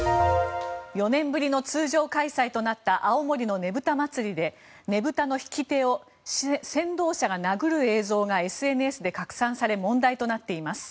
４年ぶりの通常開催となった青森のねぶた祭でねぶたの引き手を先導者が殴る映像がＳＮＳで拡散され問題となっています。